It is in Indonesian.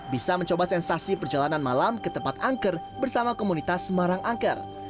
bisa mencoba sensasi perjalanan malam ke tempat angker bersama komunitas semarang angker